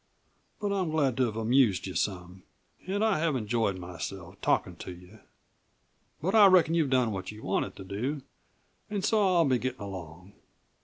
But I'm glad to have amused you some an' I have enjoyed myself, talkin' to you. But I reckon you've done what you wanted to do, an' so I'll be gettin' along."